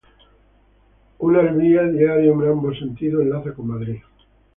Un Alvia diario en ambos sentidos enlaza con Madrid.